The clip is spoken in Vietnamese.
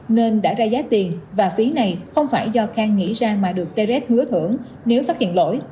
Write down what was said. nên đã ra giá tiền và phí này không phải do khang nghĩ ra mà được terres hứa thưởng nếu phát hiện lỗi